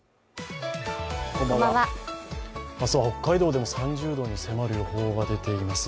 明日は北海道でも３０度に迫る予報が出ています。